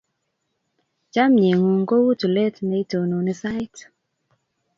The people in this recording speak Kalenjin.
Chomye ng'ung' kou tulet neitononi sait.